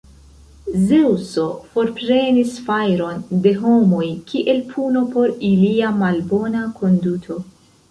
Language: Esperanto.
Zeŭso forprenis fajron de homoj kiel puno por ilia malbona konduto.